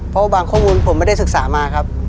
เพราะบางข้อมูลผมไม่ได้ศึกษามาครับ